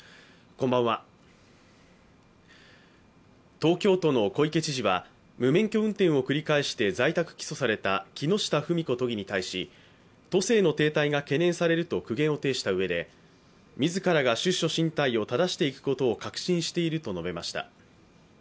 東京都の小池知事は、無免許運転を繰り返して在宅起訴された木下富美子都議に対し都政の停滞が懸念されると苦言を呈したうえで、自らが出処進退をただしていくことを確信していると述べました。